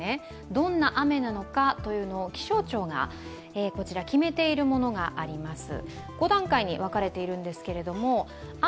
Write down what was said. どんな雨なのかというのを気象庁が決めているものがあります。